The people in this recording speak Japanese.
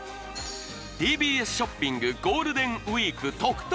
ＴＢＳショッピングゴールデンウイーク得々！